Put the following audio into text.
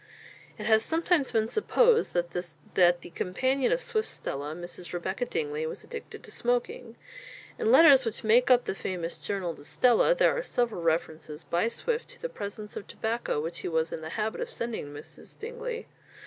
It has sometimes been supposed that the companion of Swift's Stella, Mrs. Rebecca Dingley, was addicted to smoking. In the letters which make up the famous "Journal to Stella," there are several references by Swift to the presents of tobacco which he was in the habit of sending to Mrs. Dingley.